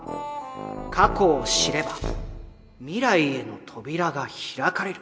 「過去を知れば未来への扉が開かれる」。